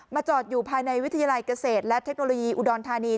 จอดอยู่ภายในวิทยาลัยเกษตรและเทคโนโลยีอุดรธานี